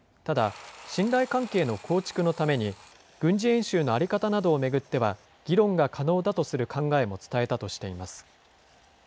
ただ、信頼関係の構築のために、軍事演習の在り方などを巡っては、議論が可能だとする考えも伝えたとしています。